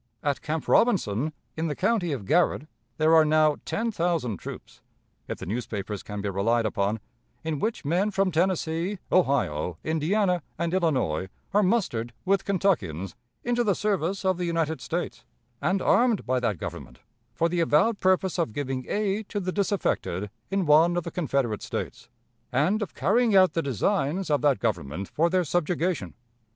At Camp Robinson, in the county of Garrard, there are now ten thousand troops, if the newspapers can be relied upon, in which men from Tennessee, Ohio, Indiana, and Illinois are mustered with Kentuckians into the service of the United States, and armed by that Government for the avowed purpose of giving aid to the disaffected in one of the Confederate States, and of carrying out the designs of that Government for their subjugation.